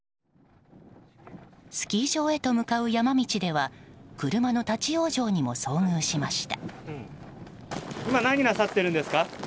スキー場へと向かう山道では車の立往生にも遭遇しました。